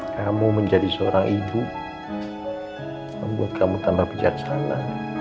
kamu menjadi seorang ibu membuat kamu tambah bijaksana